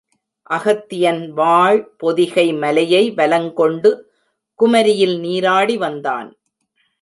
அகத்தியன் வாழ் பொதிகை மலையை வலங் கொண்டு குமரியில் நீராடி வந்தான்.